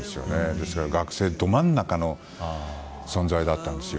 ですので、学生ど真ん中の存在だったんですよ。